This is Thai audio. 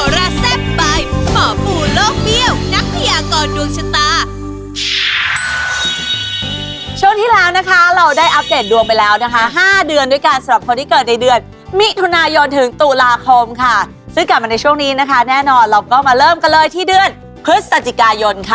ช่วงที่แล้วนะคะเราได้อัปเดตดวงไปแล้วนะคะ๕เดือนด้วยกันสำหรับคนที่เกิดในเดือนมิถุนายนถึงตุลาคมค่ะซึ่งกลับมาในช่วงนี้นะคะแน่นอนเราก็มาเริ่มกันเลยที่เดือนพฤศจิกายนค่ะ